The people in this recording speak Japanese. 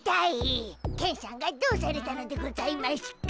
ケンしゃんがどうされたのでございましゅか？